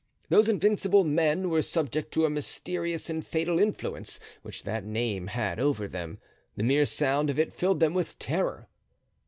Those invincible men were subject to a mysterious and fatal influence which that name had over them; the mere sound of it filled them with terror.